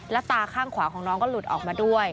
ตาข้างขวาของน้องก็หลุดออกมาด้วย